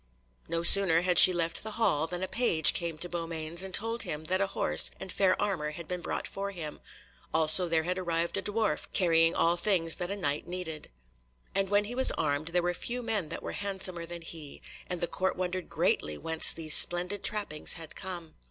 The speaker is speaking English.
No sooner had she left the hall than a page came to Beaumains and told him that a horse and fair armour had been brought for him, also there had arrived a dwarf carrying all things that a Knight needed. And when he was armed there were few men that were handsomer than he, and the Court wondered greatly whence these splendid trappings had come.